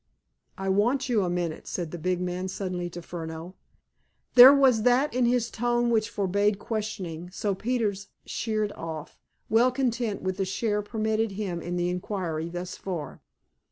"I want you a minute," said the big man suddenly to Furneaux. There was that in his tone which forbade questioning, so Peters sheered off, well content with the share permitted him in the inquiry thus far.